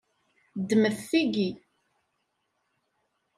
Ddmet tigi.